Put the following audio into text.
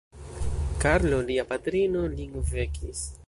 Karlo Lia patrino lin vekis.